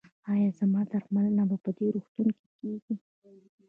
ایا زما درملنه په دې روغتون کې کیږي؟